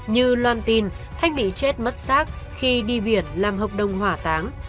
như loan tin thanh bị chết mất sát khi đi biển làm hợp đồng hỏa táng